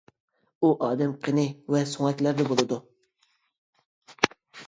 ئۇ ئادەم قېنى ۋە سۆڭەكلەردە بولىدۇ.